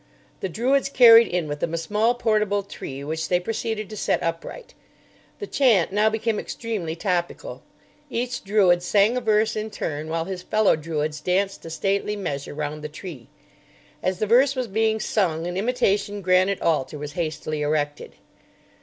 The Druids carried in with them a small portable tree which they proceeded to set upright. The chant now became extremely topical. Each Druid sang a verse in turn, while his fellow Druids danced a stately measure round the tree. As the verse was being sung, an imitation granite altar was hastily erected.